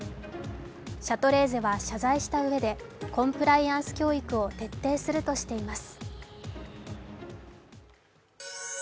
シャトレーゼは謝罪したうえでコンプライアンス教育を徹底するとしています